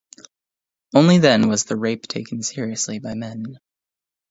Only then was the rape taken seriously by men.